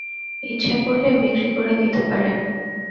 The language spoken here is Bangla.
ইচ্ছা করলে বিক্রি করে দিতে পারেন।